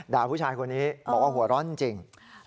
ผู้ชายคนนี้บอกว่าหัวร้อนจริง